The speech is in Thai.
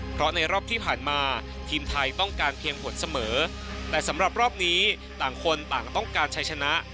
เพราะในรอบที่ผ่านมาทีมไทยต้องการเพียงผลเสมอแต่สำหรับรอบนี้ต่างคนต่างต้องการใช้ชนะ